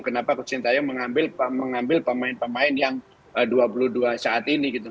kenapa kocintayong mengambil pemain pemain yang dua puluh dua saat ini gitu